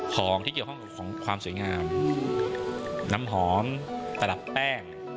ของที่เกี่ยวข้องกับของความสวยงามน้ำหอมตลับแป้ง